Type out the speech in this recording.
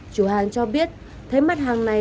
chủ hàng cho biết thấy mặt hàng này